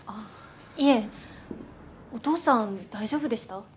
いえお父さん大丈夫でした？